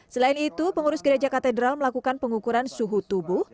selain itu pengurus gereja katedral melakukan pengukuran suhu tubuh